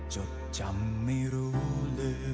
จดจำไม่รู้ลืม